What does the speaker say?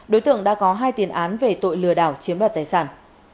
đối tượng đã có hai tiền án về tội lừa đảo chiếm đoạt tài sản